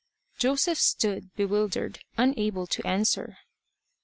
Joseph stood bewildered, unable to answer.